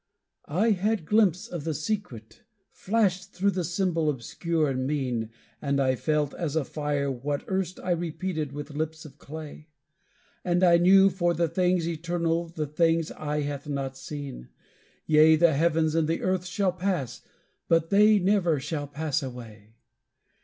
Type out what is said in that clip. I had glimpse of the Secret, flashed through the symbol obscure and mean, And I felt as a fire what erst I repeated with lips of clay; And I knew for the things eternal the things eye hath not seen; Yea, the heavens and the earth shall pass; but they never shall pass away.